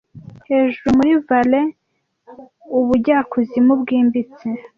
Hejuru muri Valais-ubujyakuzimu bwimbitse,